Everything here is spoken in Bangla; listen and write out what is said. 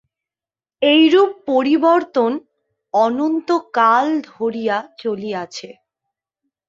এইরূপ পরিবর্তন অনন্তকাল ধরিয়া চলিয়াছে।